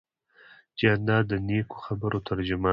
جانداد د نیکو خبرو ترجمان دی.